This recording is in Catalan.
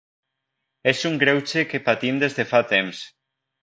És un greuge que patim des de fa temps.